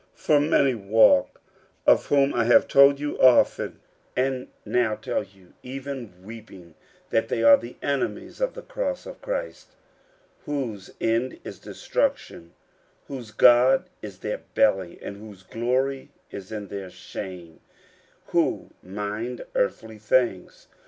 50:003:018 (For many walk, of whom I have told you often, and now tell you even weeping, that they are the enemies of the cross of Christ: 50:003:019 Whose end is destruction, whose God is their belly, and whose glory is in their shame, who mind earthly things.)